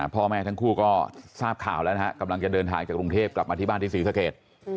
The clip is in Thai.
พ่อแม่ทั้งคู่ก็ทราบข่าวแล้วนะฮะกำลังจะเดินทางจากกรุงเทพกลับมาที่บ้านที่ศรีสเกต